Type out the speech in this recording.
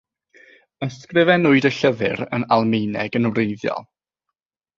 Ysgrifennwyd y llyfr yn Almaeneg yn wreiddiol.